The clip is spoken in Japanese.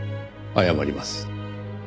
謝ります。